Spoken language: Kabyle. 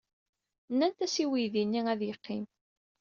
Nnant-as i weydi-nni ad yeqqim.